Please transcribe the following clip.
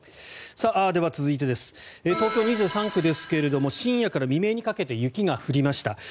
続いてです、東京２３区ですが深夜から未明にかけて雪が降りました。